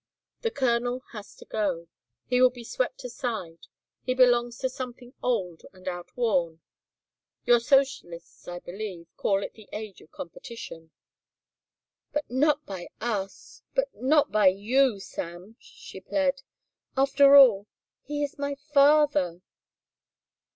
The colonel has to go. He will be swept aside. He belongs to something old and outworn. Your socialists, I believe, call it the age of competition." "But not by us, not by you, Sam," she plead. "After all, he is my father."